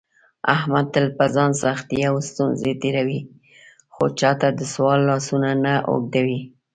احمد تل په ځان سختې او ستونزې تېروي، خو چاته دسوال لاسونه نه اوږدوي.